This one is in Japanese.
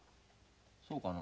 そうかな？